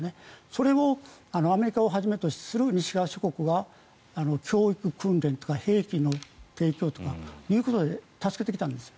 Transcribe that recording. それをアメリカをはじめとする西側諸国が教育訓練とか兵器の提供とかで助けてきたんです。